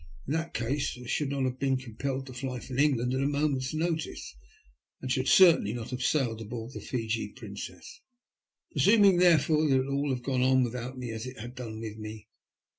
In that case I should not have been compelled to fly from England at a moment's notice, and should certainly not have sailed aboard the Fiji Princea. Presuming, there fore, that all would have gone on without me as it had done with me.